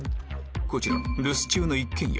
こちら留守中の一軒家